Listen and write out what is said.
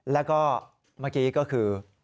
แล้วก็เมื่อกี้ก็คือ